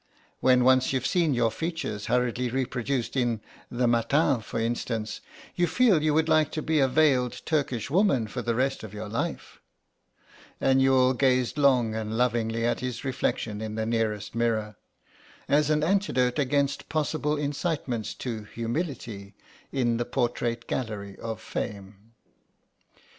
When once you've seen your features hurriedly reproduced in the Matin, for instance, you feel you would like to be a veiled Turkish woman for the rest of your life." And Youghal gazed long and lovingly at his reflection in the nearest mirror, as an antidote against possible incitements to humility in the portrait gallery of fame.